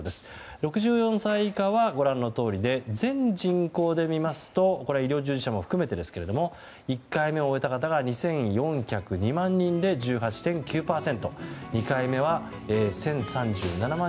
６４歳以下はご覧のとおりで全人口で見ますと医療従事者も含めてですが１回目を終えた方が２４０２万人で１８．９％。